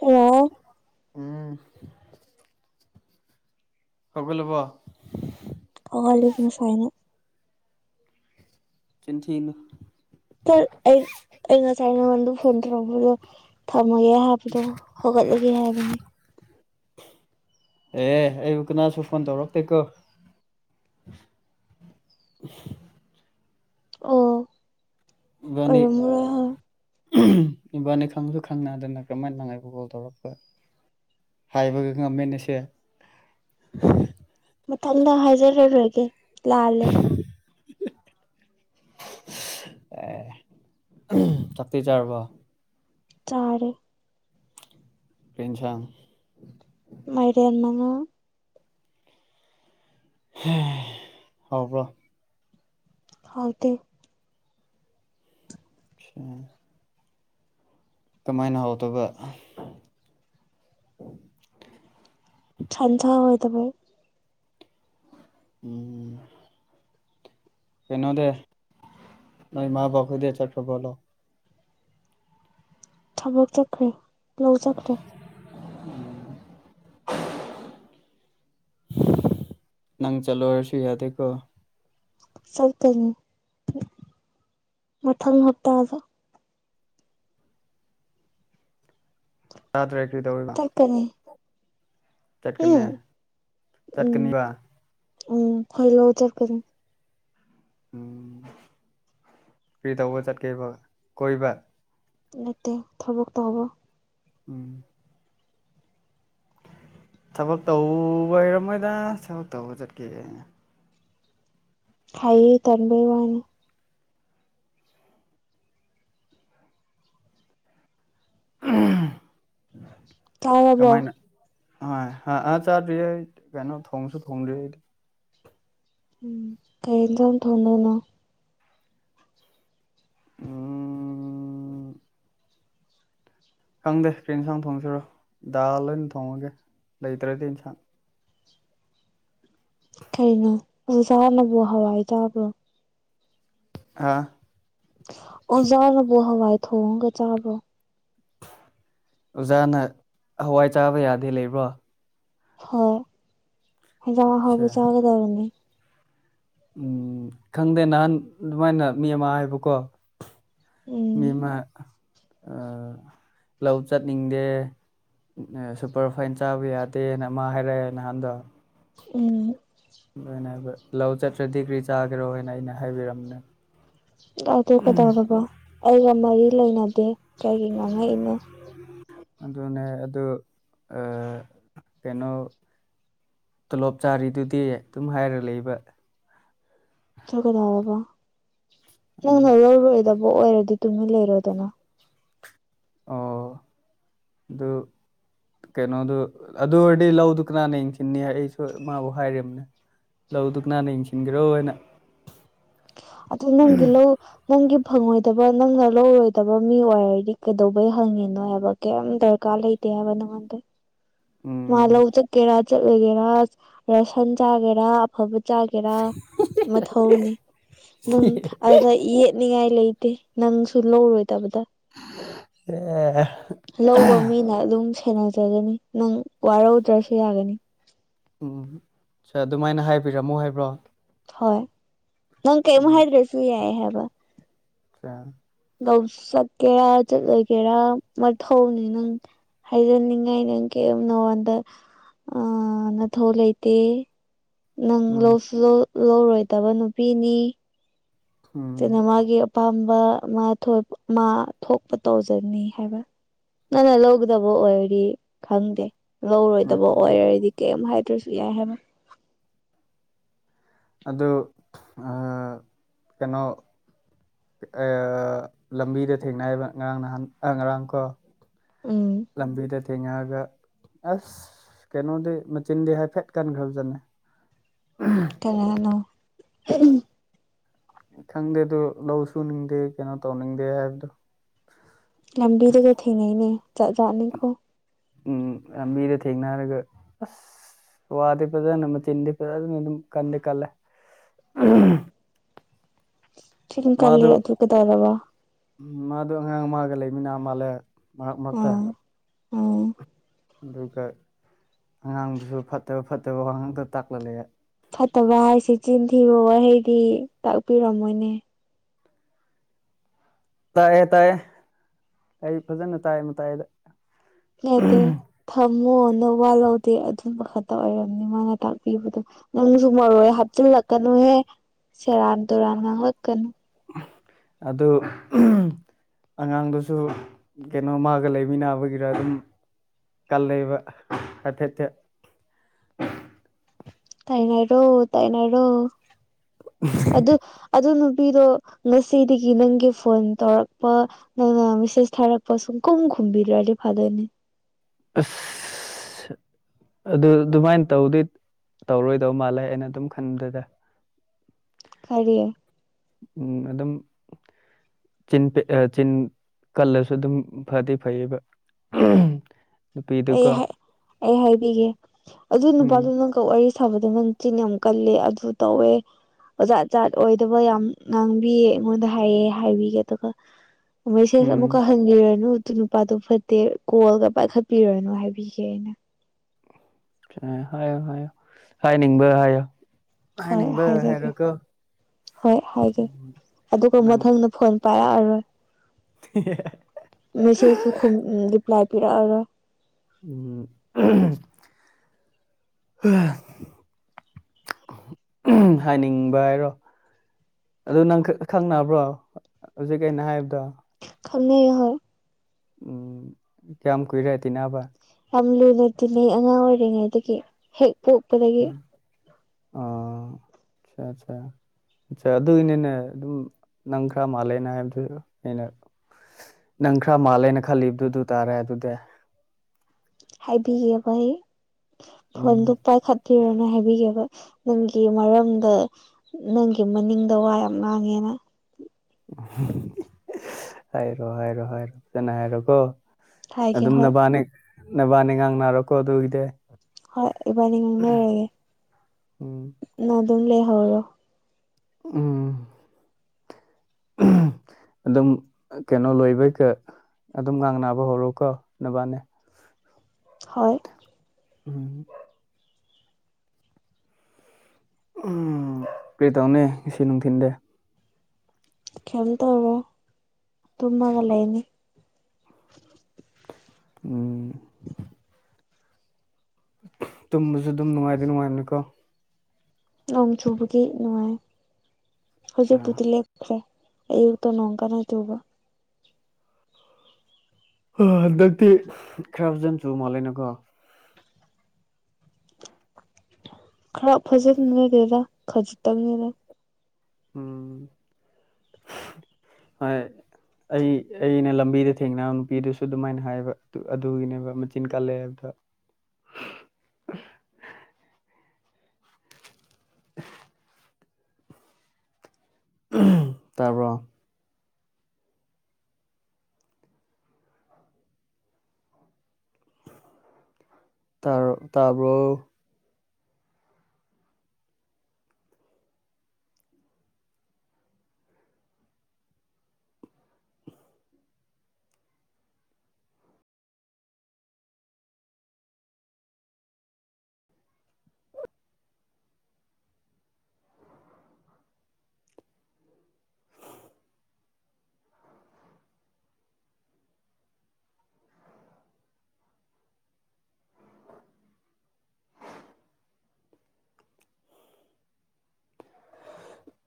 Hello ꯎꯝ ꯍꯧꯒꯠ ꯂꯕꯣ ꯋꯥꯂꯀꯝ ꯁꯟ [inaudible] ꯆꯤꯟꯊꯤꯅꯨ ꯑꯩ ꯑꯩ ꯉꯁꯥꯏ ꯅꯉꯣꯟꯗ ꯐꯣꯟ ꯇꯧꯔꯛꯄꯗꯣ ꯊꯝꯃꯒꯦ ꯍꯥꯏꯕꯗꯣ ꯍꯧꯒꯠꯂꯒꯦ ꯍꯥꯏꯕꯅꯤ ꯑꯦ ꯑꯩꯕꯨ ꯀꯅꯥꯁꯨ ꯐꯣꯟ ꯇꯧꯔꯛꯇꯦꯀꯣ ꯑꯣ ꯏꯕꯥꯅꯤ ꯑꯣ ꯃꯣꯔ ꯍ ꯏꯕꯥꯅꯤ ꯈꯪꯁꯨ ꯈꯪꯅꯗꯅ ꯀꯔꯝꯍꯥꯏꯅ ꯑꯩꯉꯣꯟꯗꯥ ꯀꯣꯜ ꯇꯧꯔꯛꯄ ꯍꯥꯏꯕꯒ ꯉꯝꯃꯦꯅꯦ ꯑꯁꯦ ꯃꯊꯪꯗ ꯍꯥꯏꯖꯔꯨꯔꯒꯦ ꯂꯥꯜꯂꯦ ꯑꯦ ꯊꯥꯛꯤꯖꯥꯔꯕ ꯆꯥꯔꯦ ꯀꯩ ꯍꯦꯟꯁꯡ ꯃꯥꯏꯔ ꯌꯥꯝꯃꯅ ꯍꯦꯏ ꯍꯥꯑꯣꯕꯔꯣ ꯍꯧꯗ ꯎ ꯀꯃꯥꯏꯅ ꯍꯥꯎꯗꯕ ꯊꯥꯟ ꯊꯥ ꯑꯣꯏꯇꯥꯕꯥ ꯎꯝ ꯀꯩꯅꯣꯗ ꯅꯣꯏ ꯃꯥ ꯄ ꯀꯗ ꯆꯠꯄꯕꯣꯂꯣ ꯊꯕꯛ ꯆꯠꯈ꯭ꯔꯦ ꯂꯧꯖꯈ꯭ꯔꯦ ꯎꯝ ꯅꯪ ꯆꯠꯂꯣꯏꯔꯁꯨ ꯌꯥꯗꯦꯀꯣ ꯁ ꯀꯅꯤ ꯃꯊꯪ ꯍꯥꯞꯇꯥꯗ ꯔꯇ꯭ꯔ ꯑꯦꯈꯔꯤꯗꯧꯔꯒ ꯆꯠꯀꯅꯤ ꯎꯝ ꯎꯝ ꯆꯠꯀꯅꯤꯕ ꯎꯝ ꯍꯣꯏ ꯂꯧ ꯑꯣꯗꯔ ꯀ ꯎꯝ ꯐꯔꯤ ꯇꯧꯕ ꯆꯠ ꯀꯦ ꯐ ꯀ ꯅꯇꯩ ꯊꯕꯣꯛ ꯇꯍꯧꯕꯣ ꯎꯝ ꯊꯕꯛ ꯇꯧꯕ ꯍꯔꯝꯃꯣꯏꯗ ꯊꯕꯛ ꯇꯧꯕ ꯆꯠꯀꯦꯩꯅ ꯍꯥꯏꯌꯦ ꯇꯔꯕꯩ ꯋꯥꯅꯤ ꯆꯥꯔꯕꯣ ꯀꯃꯥꯏꯅ ꯑ ꯑꯥ ꯆꯥꯗ꯭ꯔꯤ ꯑꯩ ꯀꯩꯅꯣ ꯊꯣꯡꯁꯨ ꯊꯣꯡꯗ꯭ꯔꯤ ꯑꯩꯗꯤ ꯎꯝ ꯀꯩꯖꯝ ꯊꯣꯡꯅꯨꯅꯣ ꯎꯥ ꯈꯪꯗꯦ ꯀꯔꯤ ꯏꯟꯁꯥꯡ ꯊꯣꯡꯁꯤꯔꯣ ꯗꯥꯜꯣꯏ ꯑꯣꯏꯅ ꯊꯣꯡꯉꯒꯦ ꯂꯩꯇ꯭ꯔꯗꯤ ꯌꯦꯟꯁꯥꯡ ꯀꯅꯣ ꯑꯣꯖꯥꯅꯕꯣ ꯍꯋꯥꯏ ꯇꯥꯕ꯭ꯔꯣ ꯍꯥꯥ ꯑꯣꯖꯥꯔꯕꯣ ꯍꯋꯥꯏ ꯊꯣꯡꯒ ꯆꯥꯕꯣ ꯑꯣꯖꯥꯅ ꯍꯋꯥꯏ ꯆꯥꯕ ꯌꯥꯗꯦ ꯂꯩꯕ꯭ꯔꯣ ꯍꯣꯏ ꯆꯥ ꯁꯦ ꯍꯕ ꯆꯥꯒꯗꯔꯅꯤ ꯎꯝ ꯈꯪꯗꯦ ꯅꯍꯥꯟ ꯑꯗꯨꯃꯥꯏꯅ ꯃꯤ ꯑꯃ ꯍꯥꯏꯕꯀꯣ ꯃꯃ ꯞꯌ ꯂꯧ ꯆꯠꯅꯤꯡꯗꯦ ꯁꯨꯄꯔ ꯐꯥꯏꯟ ꯆꯥꯕ ꯌꯥꯗꯦꯅ ꯑꯃ ꯍꯥꯏꯔꯛꯑꯦ ꯅꯍꯥꯟꯗꯣ ꯎꯝ ꯑꯗꯨꯅꯦ ꯂꯧ ꯆꯠꯇ꯭ꯔꯗꯤ ꯀ꯭ꯔꯤ ꯆꯥꯈꯦꯔꯣ ꯍꯥꯏꯅ ꯑꯩꯅ ꯍꯥꯏꯕꯤꯔꯝꯅꯦ ꯑꯗꯨ ꯀꯗꯧꯔꯕ ꯑꯩꯒ ꯃꯔꯤ ꯂꯩꯅꯗꯦ ꯀꯩꯒꯤ ꯉꯥꯡꯉꯛꯏꯅꯣ ꯑꯗꯨꯅꯦ ꯑꯗꯨ ꯑ ꯀꯩꯅꯣ ꯇꯣꯂꯣꯞ ꯆꯥꯔꯤꯗꯨꯗꯤ ꯑꯗꯨꯝ ꯍꯥꯏꯔ ꯂꯩꯕ ꯁꯔꯀꯗꯥ ꯕꯥ ꯑꯗꯨ ꯅꯪꯅ ꯂꯧꯔꯣꯏꯗꯕ ꯑꯣꯏꯔꯗꯤ ꯇꯨꯃꯤꯟ ꯂꯩꯔꯣꯏꯗꯅ ꯑꯣ [inaudible] ꯑꯗꯨ ꯀꯩꯅꯣꯗꯨ ꯑꯗꯨ ꯑꯣꯏꯔꯗꯤ ꯂꯧꯗꯨ ꯀꯅꯥꯅ ꯌꯦꯡꯁꯤꯟꯅꯤ ꯑꯩꯁꯨ ꯃꯥꯕꯨ ꯍꯥꯏꯅꯦ ꯂꯧꯗꯨ ꯀꯅꯥꯟꯅ ꯌꯦꯡꯁꯤꯟꯈ꯭ꯔꯣ ꯍꯥꯏꯅ ꯑ ꯅꯒꯤꯂꯣ ꯅꯪꯒꯤ ꯐꯪꯉꯣꯏꯗꯕ ꯅꯪꯅ ꯂꯧꯔꯣꯏꯗꯕ ꯃꯤ ꯑꯣꯏꯔꯗꯤ ꯀꯩꯗꯧꯕꯩ ꯍꯪꯉꯤꯅꯣ ꯍꯥꯏꯕ ꯇ ꯀꯥ ꯂꯩꯗꯦꯕ ꯅ ꯃꯗ ꯎꯝ ꯃꯥ ꯂꯧ ꯆꯠꯀꯦꯔꯥ ꯆꯠꯂꯒꯦꯔꯥ ꯔꯁꯟ ꯆꯥꯒꯦꯔꯥ ꯑꯐꯕ ꯆꯥꯒꯦꯔꯥ ꯃꯊꯧꯅꯤ ꯑꯗꯨꯗ ꯌꯦꯠꯅꯤꯡꯉꯥꯏ ꯂꯩꯇꯦ ꯅꯪꯁꯨ ꯂꯧꯔꯣꯏꯗꯕꯗ ꯑꯦ ꯂꯧꯕ ꯃꯤꯅ ꯑꯗꯨꯝ ꯁꯦꯟꯅꯖꯒꯅꯤ ꯅꯪ ꯋꯥꯔꯧꯗ꯭ꯔꯁꯨ ꯌꯥꯒꯅꯤ ꯎꯝ ꯑꯗꯨꯃꯥꯏꯅ ꯍꯥꯏꯕꯤꯔꯝꯃꯣ ꯍꯥꯏꯕ꯭ꯔꯣ ꯍꯣꯏ ꯅꯪ ꯀꯩꯝꯨ ꯎꯝ ꯍꯥꯏꯗ꯭ꯔꯁꯨ ꯌꯥꯏ ꯍꯥꯏꯕ ꯆ ꯆꯠꯀꯦꯔꯥ ꯆꯠꯂꯒꯦꯔꯥ ꯃꯊꯧꯅꯤ ꯅꯪ ꯍꯥꯏꯖꯅꯤꯡꯉꯥꯏ ꯅꯪ ꯀꯔꯤꯨꯝ ꯅꯉꯣꯟꯗ ꯑ ꯅ ꯍꯣꯂꯥꯏꯇ ꯅꯪ ꯂꯧꯁꯨ ꯂꯧꯔꯣꯏꯗꯕ ꯅꯨꯄꯤꯅꯤ ꯎꯝ ꯑꯗꯨꯅ ꯃꯥꯒꯤ ꯑꯄꯥꯝꯕ ꯃꯥ ꯃꯥ ꯊꯣꯛꯄ ꯇꯧꯖꯅꯤ ꯍꯥꯏꯕ ꯅ ꯅ ꯂꯧꯒꯗꯕ ꯑꯣꯏꯔꯗꯤ ꯈꯪꯗꯦ ꯎꯝ ꯂꯧꯔꯣꯏꯗꯕ ꯑꯣꯏꯔꯔꯗꯤ ꯀꯩꯝ ꯍꯥꯏꯗ꯭ꯔꯁꯨ ꯌꯥꯏ ꯍꯥꯏꯕ ꯑꯗꯨ ꯀꯩꯅꯣ ꯂꯝꯕꯤꯗ ꯊꯦꯡꯅꯕ ꯉꯔꯥꯡ ꯅꯍꯥꯟ ꯉꯔꯥꯡ ꯀꯣ ꯎꯝ ꯂꯝꯕꯤꯗ ꯊꯦꯡꯉꯛꯑꯒ ꯑꯁ ꯀꯩꯅꯣꯗꯤ ꯃꯆꯤꯟꯗꯤ ꯍꯥꯏꯐꯦꯠ ꯀꯟꯈ꯭ꯔꯕꯖꯠꯅꯤ ꯀꯩꯅꯅꯣ ꯈꯪꯗꯦ ꯑꯗꯨ ꯂꯧ ꯁꯨꯅꯤꯡꯗꯦ ꯀꯩꯅꯣ ꯇꯧꯅꯤꯡꯗꯦ ꯍꯥꯏꯕꯗꯣ ꯂꯝꯕꯤꯗꯨꯁꯨ ꯊꯦꯡꯅꯩꯅꯦ ꯖꯥꯠ ꯥꯖꯥꯠꯅꯤꯀꯣ ꯎꯝ ꯂꯝꯕꯤꯗ ꯊꯦꯡꯅꯔꯒ ꯑꯁ ꯋꯥꯗꯤꯄꯗ ꯅꯝꯕ ꯆꯤꯤꯄꯗꯅꯝ ꯀꯟꯗꯨ ꯀꯜꯂꯦ ꯆꯤꯡ ꯀꯜꯂꯤ ꯑꯗꯨ ꯀ ꯇꯔꯕ ꯎ ꯃꯥꯗꯣ ꯑꯉꯥꯡ ꯃꯥꯒ ꯂꯩꯃꯤꯅ ꯃꯥꯜꯂꯦ ꯃꯔꯛ ꯃꯔꯛꯇ ꯑꯝ ꯑꯝ ꯑꯗꯨꯒ ꯑꯉꯥꯡꯗꯨꯁꯨ ꯐꯠꯇꯕ ꯐꯠꯇꯕ ꯋꯥꯉꯥꯡꯗ ꯇꯥꯛꯂꯛꯂꯦ ꯐꯠꯇꯕ ꯍꯥꯏꯁꯤ ꯆꯤꯟ ꯊꯤꯕ ꯋꯥꯍꯩꯗꯤ ꯇꯥꯛꯄꯤꯔꯝꯃꯣꯏꯅꯦ ꯇꯥꯛꯑꯦ ꯇꯥꯛꯑꯦ ꯑꯩ ꯐꯖꯅ ꯇꯥꯏ ꯃꯇꯥꯏꯗ ꯅꯠꯇꯦ ꯊꯝꯃꯣꯅ ꯋꯥꯠꯍꯧꯗꯦ ꯑꯗꯨꯝꯕ ꯈꯛꯇ ꯑꯣꯏꯔꯝꯅꯤ ꯃꯥꯅ ꯇꯥꯛꯄꯤꯕꯗꯣ ꯅꯪꯁꯨ ꯃꯔꯣꯏ ꯍꯥꯞꯆꯤꯜꯂꯛꯀꯅꯨꯍꯦ ꯁꯦꯔꯥꯟ ꯇꯨꯔꯥꯟ ꯉꯥꯡꯂꯛꯀꯅꯨ ꯑꯗꯨꯗ ꯑꯉꯥꯡꯗꯨꯁꯨ ꯀꯩꯅꯣ ꯃꯥꯒ ꯂꯩꯃꯤꯟꯅꯕꯒꯤꯔ ꯑꯗꯨꯝ ꯀꯜꯂꯕ ꯍꯥꯏꯐꯦꯠꯠꯇ ꯇꯥꯏꯅꯔꯣ ꯇꯥꯏꯅꯔꯣ ꯑꯗꯨ ꯑꯗꯨ ꯅꯨꯄꯤꯗꯣ ꯉꯁꯤꯗꯒꯤ ꯅꯪꯒꯤ ꯐꯣꯟ ꯇꯧꯔꯛꯄ ꯅ ꯃꯤꯁꯤꯦꯁ ꯊꯔꯥꯛ ꯄꯁꯨꯡ ꯀꯨꯝꯃ ꯈꯨꯝꯕꯤꯔ ꯔꯔꯦ ꯐꯥꯜꯅꯤ ꯑꯁ ꯑꯁ ꯑꯗꯨ ꯑꯗꯨꯃꯥꯏꯅ ꯇꯧꯗꯤ ꯇꯧꯔꯣꯏꯗꯧ ꯃꯥꯜꯂꯦ ꯑꯩꯅ ꯑꯗꯨꯝ ꯈꯟꯗꯗ ꯀꯔꯤꯌ ꯎꯝ ꯑꯗꯨꯝ ꯤꯟ ꯆꯤꯟ ꯀꯜꯂꯁꯨ ꯑꯗꯨꯝ ꯐꯗꯤ ꯐꯩꯌꯦꯕ ꯎꯝ ꯑꯩ ꯑꯩ ꯍꯥꯏꯕꯤꯒꯦ ꯑꯗꯨ ꯎꯝ ꯅꯨꯄꯥꯗꯨꯣ ꯅꯪ ꯀ ꯋꯥꯔꯤ ꯁꯥꯕꯗ ꯃꯆꯤꯟ ꯌꯥꯝ ꯀꯜꯂꯦ ꯑꯗꯨ ꯇꯧꯋꯦ ꯑꯣꯖꯥ ꯖꯥꯠ ꯑꯣꯏꯗꯕ ꯌꯥꯝ ꯉꯥꯡꯕꯤꯌꯦ ꯑꯩꯉꯣꯟꯗ ꯍꯥꯏꯌꯦ ꯍꯥꯏꯕꯤꯒꯦ ꯑꯗꯨꯒ ꯃꯦꯁꯦꯁ ꯎꯝ ꯑꯃꯨꯛꯀ ꯍꯟꯈꯤꯔꯅꯨ ꯑꯗꯨ ꯅꯨꯄꯥꯗꯨꯣ ꯐꯠꯇꯦ ꯀꯣꯜꯒ ꯄꯥꯏꯈꯠꯄ ꯄꯤꯔꯅꯨ ꯍꯥꯏꯕꯤꯒꯦ ꯑꯩꯅ ꯍꯥꯏꯌꯣ ꯍꯥꯏꯌꯣ ꯍꯥꯏꯅꯤꯡꯕ ꯍꯥꯏꯌꯣ ꯍꯣꯏ ꯍꯥꯏꯅꯤꯡꯕ ꯍꯥꯏꯖꯒꯦ ꯍꯥꯏꯔꯣꯀꯣ ꯍꯣꯏ ꯍꯥꯏꯖꯦ ꯑꯗꯨꯒ ꯅꯪ ꯃꯊꯪꯗ ꯐꯣꯟ ꯄꯔꯔꯣꯏ ꯍ ꯃꯦꯁꯦꯖꯁꯨꯨ ꯔꯤꯄ꯭ꯂꯥꯏ ꯄꯤꯔꯛꯑꯒ ꯎꯟ ꯎꯟ ꯍꯥꯏꯅꯤꯡꯕ ꯍꯥꯏꯔꯣ ꯑꯗꯨ ꯅꯪ ꯈꯪꯅꯕ꯭ꯔꯣ ꯍꯧꯖꯤꯛ ꯀꯤ ꯑꯩꯅ ꯍꯥꯏꯕꯗꯣ ꯈꯪꯅꯩ ꯑ ꯍꯣꯏ ꯎꯝ ꯀꯌꯥꯝ ꯀꯨꯏꯔꯦ ꯇꯤꯟꯅꯕ ꯌꯥꯝ ꯂꯨꯅ ꯇꯤꯟꯅꯩ ꯑꯉꯥꯡ ꯑꯣꯏꯔꯤꯉꯩꯗꯒꯤ ꯍꯦꯛ ꯄꯣꯛꯄꯗꯒꯤ [unintelligible] ꯑꯆꯥ ꯑꯆꯥ ꯑꯆꯥ ꯑꯗꯨꯒꯤꯅꯤꯅꯦ ꯑꯗꯨꯝ ꯅꯪ ꯈꯔ ꯃꯥꯜꯂꯦꯅ ꯍꯥꯏꯕꯗꯨ ꯑꯩꯅ ꯅꯪ ꯈꯔ ꯃꯥꯜꯂꯦꯅ ꯈꯜꯂꯤꯕꯗꯨꯗꯨ ꯇꯥꯔꯦ ꯑꯗꯨꯗꯤ ꯍꯥꯏꯕꯤꯒꯦ꯫ ꯑꯩ ꯎꯝ ꯐꯣꯟꯗꯨ ꯄꯥꯏꯈ ꯊꯤꯔꯅ ꯍꯥꯏꯕꯤꯒꯕ ꯅꯪꯒꯤ ꯃꯔꯝꯗꯩ ꯅꯪꯒꯤ ꯃꯅꯤꯡꯗ ꯋꯥ ꯌꯥꯝ ꯉꯥꯡꯉꯦꯅ ꯎ ꯍꯥꯏꯔꯣ ꯍꯥꯏꯔꯣ ꯍꯥꯏꯔꯣ ꯐꯖꯅ ꯍꯥꯏꯔꯣꯀꯣ ꯍꯥꯏꯒꯦ ꯑꯗꯨꯝ ꯍꯣꯏ ꯅꯕꯥꯅꯤ ꯅꯕꯥꯅꯤ ꯉꯥꯡ ꯅꯥꯔꯣꯀꯣ ꯑꯗꯨꯒꯤꯗꯤ ꯍꯣꯏ ꯏꯕꯥꯅꯤ ꯉꯥꯡꯅꯔꯒꯦ ꯎꯝ ꯅꯡ ꯑꯗꯨꯝ ꯂꯩꯍꯧꯔꯣ ꯎꯝ ꯑꯗꯨꯝ ꯀꯩꯅꯣ ꯂꯣꯏꯕꯩꯒ ꯑꯗꯨꯝ ꯉꯥꯡ ꯅꯥꯅꯕ ꯍꯧꯔꯣꯀꯣ ꯅꯕꯥꯟꯅꯤ ꯍꯣꯏ ꯎꯝ ꯎꯝ ꯀꯔꯤ ꯇꯧꯅꯤ ꯉꯁꯤ ꯅꯨꯡꯊꯤꯟꯗꯤ ꯀꯩꯝ ꯇꯧꯔꯣ ꯇꯨꯝꯃꯒ ꯂꯩꯅꯤ ꯎꯝ ꯇꯨꯝꯕꯁꯨ ꯑꯗꯨꯝ ꯅꯨꯡꯉꯥꯏꯗꯤ ꯅꯨꯡꯉꯥꯏꯕꯅꯤꯀꯣ ꯅꯣꯡ ꯆꯨꯕꯒꯤ ꯅꯨꯡꯉꯥꯏ ꯆꯥ ꯍꯧꯖꯤꯛꯄꯗꯤꯂꯦꯛ ꯑꯌꯨꯛꯇ ꯅꯣꯡ ꯀꯟ ꯅ ꯆꯨꯕꯥ ꯍꯟꯗꯛꯇꯤ ꯈꯔ ꯍꯖꯟ ꯆꯨ ꯃꯥꯜꯂꯦꯅꯀꯣ ꯈꯔ ꯐꯖꯅꯔꯦꯔꯥ ꯈꯖꯤꯛꯇꯪꯅꯤꯔ ꯎꯝ ꯍꯣꯏ ꯑꯩ ꯑꯩꯅ ꯂꯝꯕꯤꯗ ꯊꯦꯡꯅꯕ ꯅꯨꯄꯤꯗꯨꯁꯨ ꯑꯗꯨꯃꯥꯏꯅ ꯍꯥꯏꯕ ꯑꯗꯨꯒꯤꯅꯦꯕ ꯃꯆꯤꯟ ꯀꯜꯂꯦ ꯍꯥꯏꯕꯗ [unintelligible] [unintelligible] ꯇꯥꯕ꯭ꯔꯣ ꯇꯥꯔꯣ ꯇꯥꯕ꯭ꯔꯣ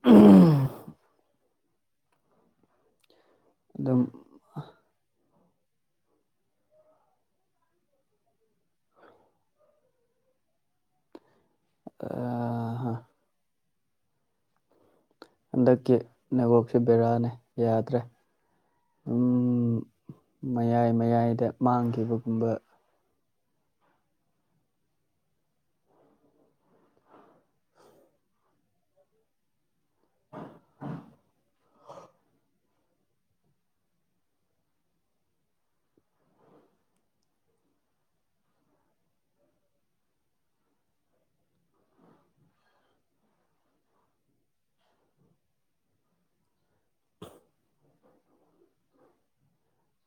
[unintelligible] ꯑꯗꯨꯝ ꯑ ꯍꯟꯗꯛꯀꯤ ꯅꯕꯛꯁꯦ ꯕꯦꯔꯥꯅꯦ ꯌꯥꯗ꯭ꯔꯦ ꯎꯝ ꯃꯌꯥꯏ ꯃꯌꯥꯏꯗ ꯃꯥꯡꯒꯤꯕꯒꯨꯝꯕ [inaudible]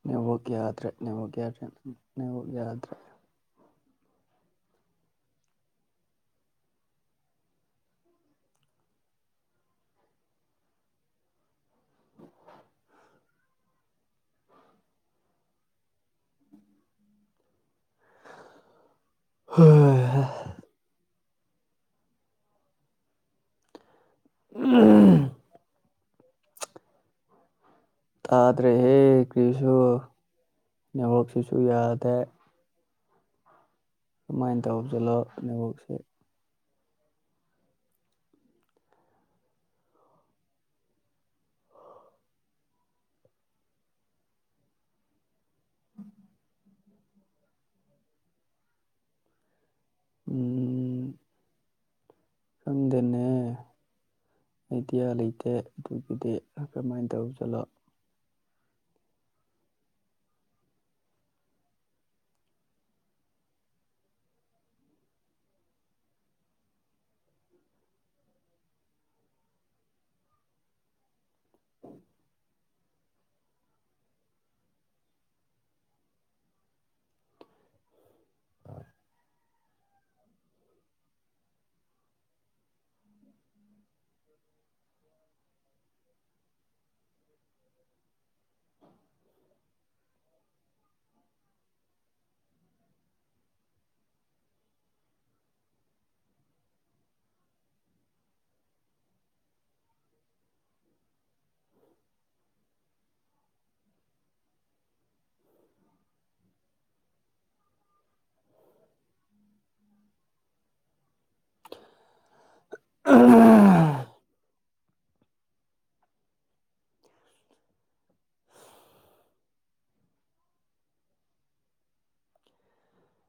ꯅꯦꯠꯋꯥꯛ ꯌꯥꯗ꯭ꯔꯦ ꯅꯦꯠꯋꯥꯛ ꯌꯥꯗ꯭ꯔꯦ [unintelligible] ꯌꯥꯗ꯭ꯔꯦ [unintelligible] [unintelligible] ꯇꯥꯗ꯭ꯔꯦꯍꯦ ꯀꯔꯤꯁꯨ ꯅꯦꯠꯋꯥꯛꯁꯤꯁꯨ ꯌꯥꯗꯦ ꯑꯗꯨꯃꯥꯏꯅ ꯇꯧꯁꯤꯂꯣ ꯅꯦꯠꯋꯥꯛꯁꯨ ꯎꯝ ꯈꯪꯗꯦꯅꯦ ꯑꯥꯏꯗꯤꯌꯥ ꯂꯩꯇꯦ ꯑꯗꯨꯒꯤꯗꯤ ꯀꯃꯥꯏꯅ ꯇꯧꯁꯤꯟꯂꯣ [inaudible] [unintelligible]